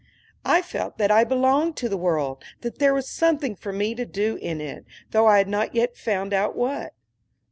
I felt that I belonged to the world, that there was something for me to do in it, though I had not yet found out what.